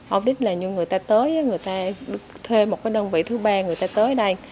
audit là như người ta tới người ta thuê một cái đơn vị thứ ba người ta tới đây